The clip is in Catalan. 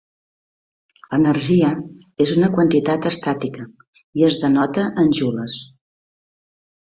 L'energia és una quantitat estàtica i es denota en Joules.